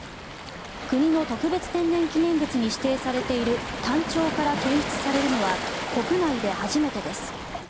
国の特別天然記念物に指定されているタンチョウから検出されるのは国内で初めてです。